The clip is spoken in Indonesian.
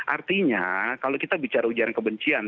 artinya kalau kita bicara ujaran kebencian